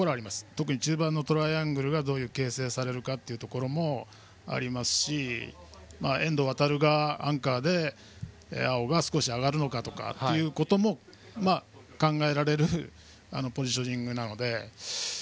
特に中盤のトライアングルがどう形成されるかもありますし遠藤航がアンカーで碧が上がるかというのも考えられるポジショニングなので。